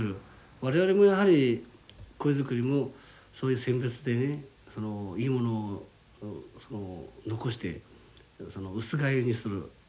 我々もやはり鯉作りもそういう選別でねいいものを残して薄飼いにする。